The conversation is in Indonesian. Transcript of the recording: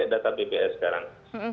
data bps sekarang